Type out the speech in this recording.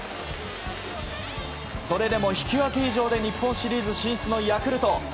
それでも引き分け以上で日本シリーズ進出のヤクルト。